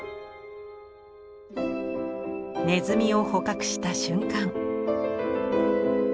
ネズミを捕獲した瞬間。